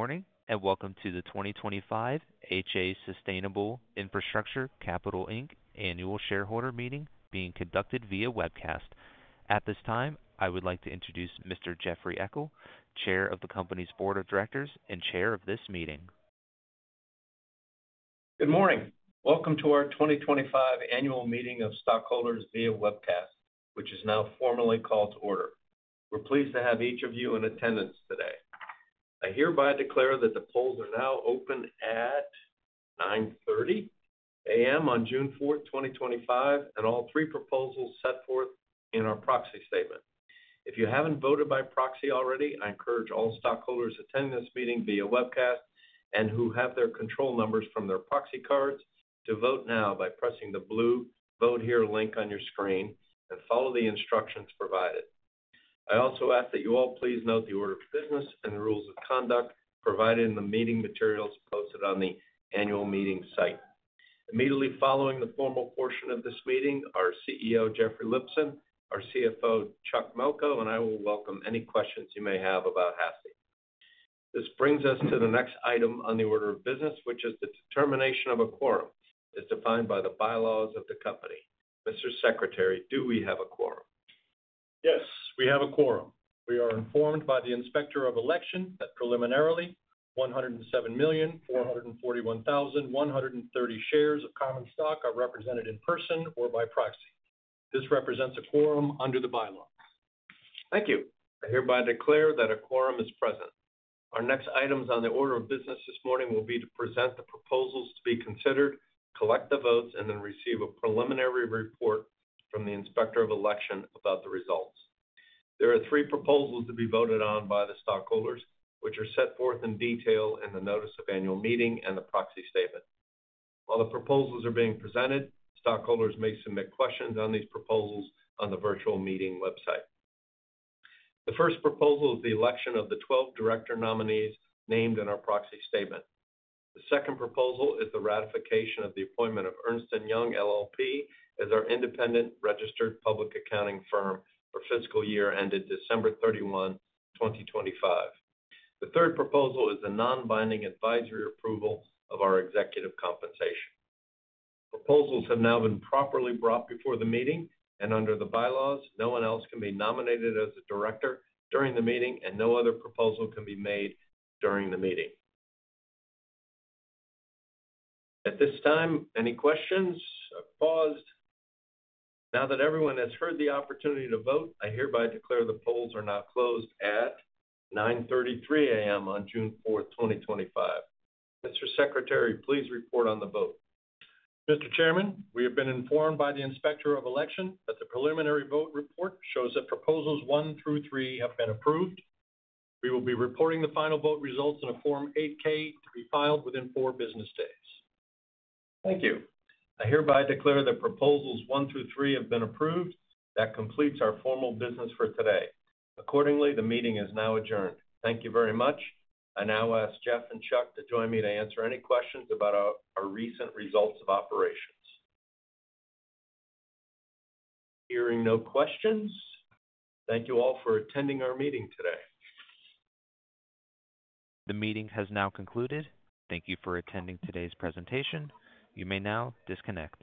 Morning, and welcome to the 2025 HA Sustainable Infrastructure Capital Inc. annual shareholder meeting being conducted via webcast. At this time, I would like to introduce Mr. Jeffrey Eckel, Chair of the company's board of directors and chair of this meeting. Good morning. Welcome to our 2025 annual meeting of stockholders via webcast, which is now formally called to order. We're pleased to have each of you in attendance today. I hereby declare that the polls are now open at 9:30 A.M. on June 4, 2025, and all three proposals set forth in our proxy statement. If you haven't voted by proxy already, I encourage all stockholders attending this meeting via webcast and who have their control numbers from their proxy cards to vote now by pressing the blue "Vote Here" link on your screen and follow the instructions provided. I also ask that you all please note the order of business and the rules of conduct provided in the meeting materials posted on the annual meeting site. Immediately following the formal portion of this meeting, our CEO, Jeffrey Lipson, our CFO, Chuck Melko, and I will welcome any questions you may have about HASI. This brings us to the next item on the order of business, which is the determination of a quorum, as defined by the bylaws of the company. Mr. Secretary, do we have a quorum? Yes, we have a quorum. We are informed by the inspector of election that preliminarily 107,441,130 shares of common stock are represented in person or by proxy. This represents a quorum under the bylaws. Thank you. I hereby declare that a quorum is present. Our next items on the order of business this morning will be to present the proposals to be considered, collect the votes, and then receive a preliminary report from the inspector of election about the results. There are three proposals to be voted on by the stockholders, which are set forth in detail in the notice of annual meeting and the proxy statement. While the proposals are being presented, stockholders may submit questions on these proposals on the virtual meeting website. The first proposal is the election of the 12 director nominees named in our proxy statement. The second proposal is the ratification of the appointment of Ernst & Young, LLP, as our independent registered public accounting firm for fiscal year ended December 31, 2025. The third proposal is the non-binding advisory approval of our executive compensation. Proposals have now been properly brought before the meeting, and under the bylaws, no one else can be nominated as a director during the meeting, and no other proposal can be made during the meeting. At this time, any questions? Paused. Now that everyone has heard the opportunity to vote, I hereby declare the polls are now closed at 9:33 A.M. on June 4, 2025. Mr. Secretary, please report on the vote. Mr. Chairman, we have been informed by the inspector of election that the preliminary vote report shows that proposals one through three have been approved. We will be reporting the final vote results in a Form 8-K to be filed within four business days. Thank you. I hereby declare that proposals one through three have been approved. That completes our formal business for today. Accordingly, the meeting is now adjourned. Thank you very much. I now ask Jeff and Chuck to join me to answer any questions about our recent results of operations. Hearing no questions, thank you all for attending our meeting today. The meeting has now concluded. Thank you for attending today's presentation. You may now disconnect.